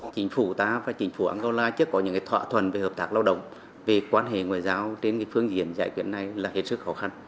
chính phủ ta và chính phủ angola chưa có những thỏa thuận về hợp tác lao động về quan hệ ngoại giao trên phương diện giải quyết này là hết sức khó khăn